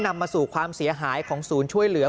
นำมาสู่ความเสียหายของศูนย์ช่วยเหลือ